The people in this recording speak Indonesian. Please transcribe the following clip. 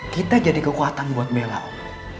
kita jadi kekuatan buat bella om